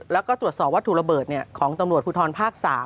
แล้วก็ตรวจสอบวัตถุระเบิดของตำรวจภูทรภาค๓